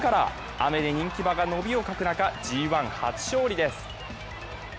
雨で人気馬が伸びを欠く中、ＧⅠ初勝利です。